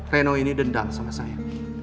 reno ini dendam sama saya